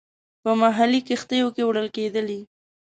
په محلي کښتیو کې وړل کېدلې.